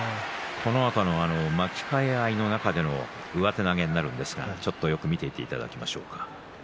このあと巻き替え合いの中での上手投げになるんですがよく見ていただきましょうか。